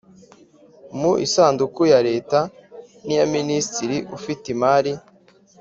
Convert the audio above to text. mu isanduku ya Leta niya Minisitiri ufite imari